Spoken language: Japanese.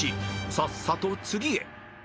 ［さっさと次へ］